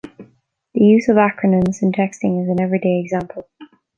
The use of acronyms in texting is an everyday example.